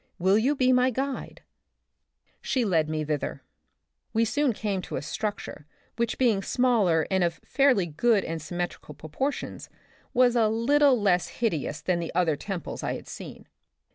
Will you be my guide ?" She led me thither. We soon came to a structure which being smaller, and of fairly good and symmetrical pro portions, was a little less hideous than the other temples I had seen.